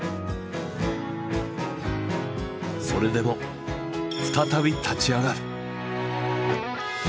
それでも再び立ち上がる。